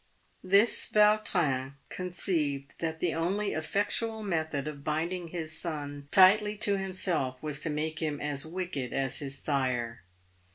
This Vautrin conceived that the only effectual method of binding his son tightly to himself was to make him as wicked as his sire.